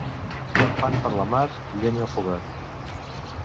Llampant per la mar, llenya al fogar.